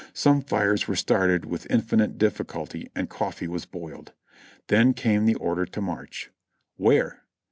Some fires were started with infinite difficulty and coffee w^as boiled. Then came the order to march. "Where?"